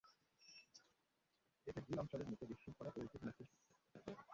এতে দুই অঞ্চলের মধ্যে বিশৃঙ্খলা ও উত্তেজনা সৃষ্টি হয়।